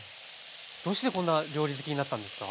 どうしてこんな料理好きになったんですか